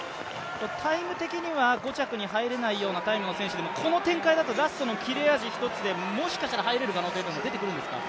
タイム的には５着に入れないようなタイムの選手でもこの展開だとラストの切れ味一つでもしかしたら入れる可能性は出てくるんですか？